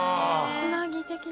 つなぎ的な？